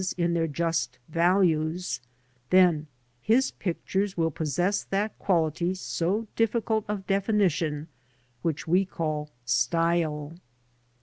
in their just values, then his pictures will possess that quality so difficult of definition which we call " style."